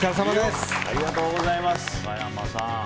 中山さん